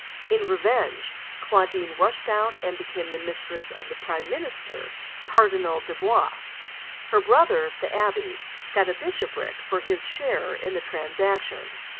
In revenge, Claudine rushed out and became the mistress of the prime minister, Cardinal Dubois. Her brother, the abbé, got a bishopric for his share in the transaction.